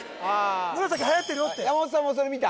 紫はやってるよって山本さんもそれ見た？